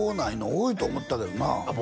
多いと思ったけどなあっ